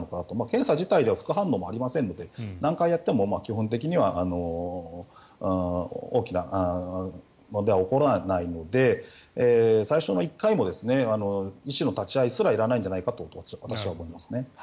検査自体では副反応もありませんので何回やっても基本的には大きな問題は起こらないので最初の１回も医師の立ち会いすらいらないんじゃないかと私は思います。